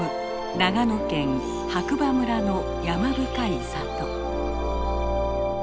長野県白馬村の山深い里。